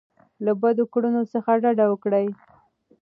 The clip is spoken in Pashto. له بدو کړنو څخه ډډه وکړئ.